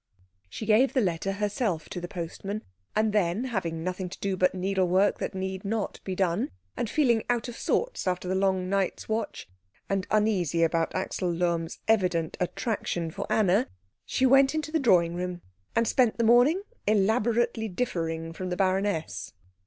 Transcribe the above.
She gave the letter herself to the postman, and then, having nothing to do but needlework that need not be done, and feeling out of sorts after the long night's watch, and uneasy about Axel Lohm's evident attraction for Anna, she went into the drawing room and spent the morning elaborately differing from the baroness.